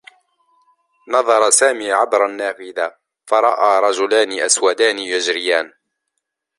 نظر سامي عبر النّافذة، فرأى رجلان أسودان يجريان.